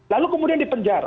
lalu kemudian dipenjara